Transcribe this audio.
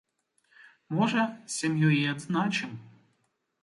Можа, з сям'ёй і адзначым.